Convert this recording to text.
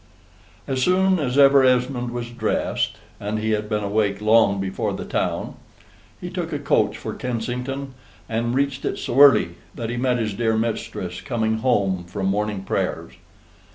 As soon as ever Esmond was dressed (and he had been awake long before the town), he took a coach for Kensington, and reached it so early that he met his dear mistress coming home from morning prayers.